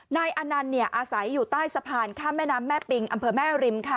นายอนันต์อาศัยอยู่ใต้สะพานข้ามแม่น้ำแม่ปิงอำเภอแม่ริมค่ะ